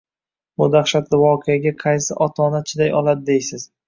Bu dahshatli voqeaga qaysi ota-ona chiday oladi deysiz?!